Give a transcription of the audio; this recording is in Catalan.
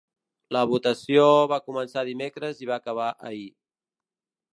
La votació va començar dimecres i va acabar ahir.